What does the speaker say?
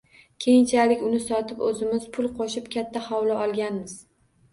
Keyinchalik uni sotib, o`zimiz pul qo`shib, katta hovli olganmiz